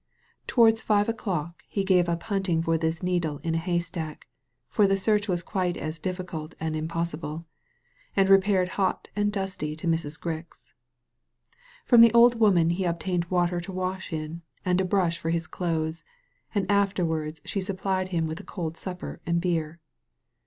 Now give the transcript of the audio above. Towards five o'clock he gave up hunting for this needle in a haystack — for the search was quite as difficult and impossible — and repaired hot and dusty to Mrs. Grix. From the old woman he obtained water to wash in, and a brush for his clothes, and afterwards she supplied him with a cold supper and beer.